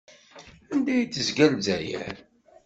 Anda i d-tezga Lezzayer?